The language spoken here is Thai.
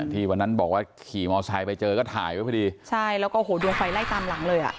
ที่วันนั้นบอกว่าขี่มอไซค์ไปเจอก็ถ่ายไว้พอดีใช่แล้วก็โอ้โหดวงไฟไล่ตามหลังเลยอ่ะ